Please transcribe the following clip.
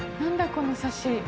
このサシ。